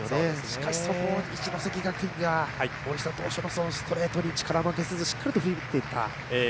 しかし、そこを一関学院が森下投手のストレートに力負けせずしっかり振り抜いていった。